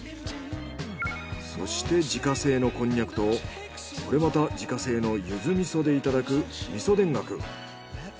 そして自家製のコンニャクとこれまた自家製の柚子味噌でいただく味噌田楽。